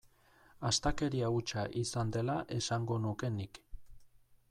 Astakeria hutsa izan dela esango nuke nik.